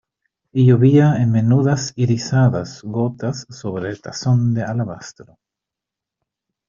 y llovía en menudas irisadas gotas sobre el tazón de alabastro.